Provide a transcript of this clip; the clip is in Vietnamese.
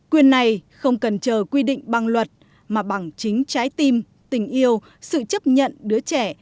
quyền này không cần chờ quy định bằng luật mà bằng chính trái tim tình yêu sự chấp nhận đứa trẻ